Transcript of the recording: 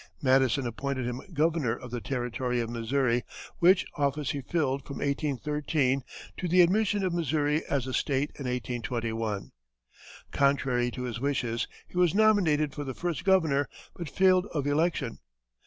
Madison appointed him Governor of the Territory of Missouri, which office he filled from 1813 to the admission of Missouri as a State in 1821. Contrary to his wishes, he was nominated for the first governor, but failed of election.